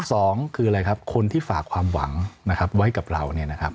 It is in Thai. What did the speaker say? สองคืออะไรครับคนที่ฝากความหวังเนอะครับไว้กับเรา